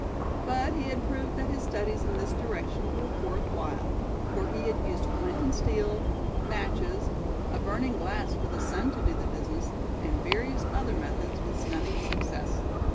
But he had proved that his studies in this direction were worth while; for he had used flint and steel, matches, a burning glass for the sun to do the business, and various other methods with stunning success.